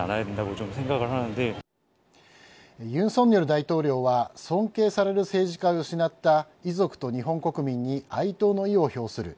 尹錫悦大統領は尊敬される政治家を失った遺族と日本国民に哀悼の意を表する。